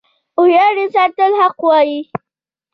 • هوښیار انسان تل حق وایی.